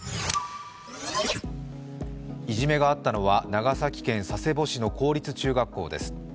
いじめがあったのは長崎県佐世保市の公立中学校です。